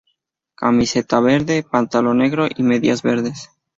Camiseta verde, pantalón negro y medias verdes.